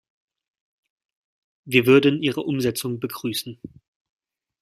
Wir würden ihre Umsetzung begrüßen.